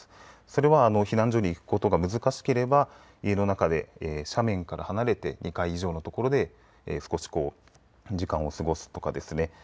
それは避難所に行くことが難しければ家の中で斜面から離れて２階以上の所で少しこう時間を過ごすとかですね。